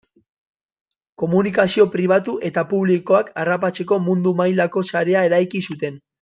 Komunikazio pribatu eta publikoak harrapatzeko mundu mailako sarea eraiki zuten.